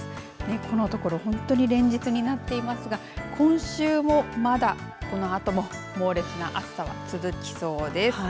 このところ本当に連日になっていますが今週もまだこのあとも猛烈な暑さは続きそうです。